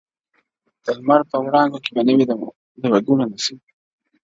د لمر په وړانګو کي به نه وي د وګړو نصیب!.